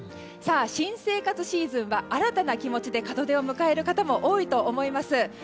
新生活シーズンは新たな気持ちで門出を迎える方も多いと思います。